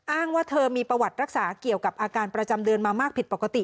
ว่าเธอมีประวัติรักษาเกี่ยวกับอาการประจำเดือนมามากผิดปกติ